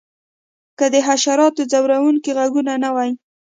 که د حشراتو ځورونکي غږونه نه وی